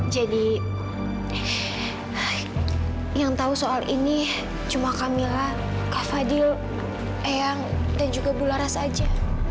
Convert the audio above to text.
jadi yang tahu soal ini cuma kamilah kak fadhil eyang dan juga bularas saja